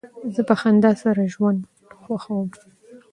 زه په خندا سره ژوند خوښوم.